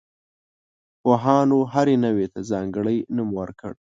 پوهانو هرې نوعې ته ځانګړی نوم ورکړ.